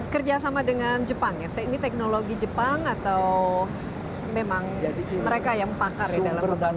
kerja sama dengan jepang ya ini teknologi jepang atau memang mereka yang pakar ya dalam perusahaan ini